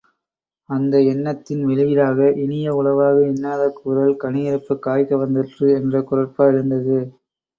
அந்த எண்ணத்தின் வெளியீடாக, இனிய உளவாக இன்னாத கூறல் கனியிருப்பக் காய்கவர்ந் தற்று என்ற குறட்பா எழுந்தது.